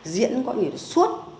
diễn có nhiều suốt